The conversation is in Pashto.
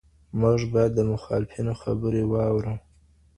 موږ باید د مخالفینو خبرې واورو.